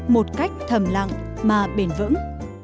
một cách thầm lặng mà bền vững